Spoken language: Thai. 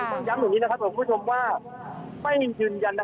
แล้วก็มีสุดทางับว่าเลยต่อเนื่องนะครับ